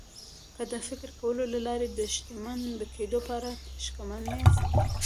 که د فکر کولو له لارې د شتمن کېدو په اړه شکمن ياست.